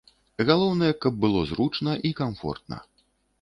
Галоўнае, каб было зручна і камфортна.